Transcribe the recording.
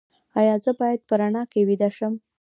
ایا زه باید په رڼا کې ویده شم؟